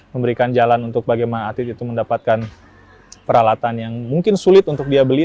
memberikan jalan untuk bagaimana atlet itu mendapatkan peralatan yang mungkin sulit untuk dia beli